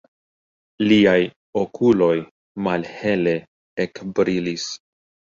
Liaj okuloj malhele ekbrilis.